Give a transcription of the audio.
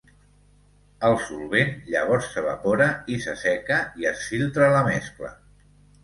El solvent llavors s'evapora, i s'asseca i es filtra la mescla.